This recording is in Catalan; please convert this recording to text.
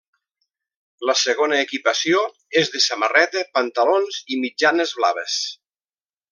La segona equipació és de samarreta, pantalons i mitjanes blaves.